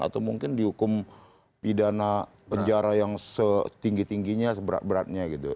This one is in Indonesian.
atau mungkin dihukum pidana penjara yang setinggi tingginya seberat beratnya gitu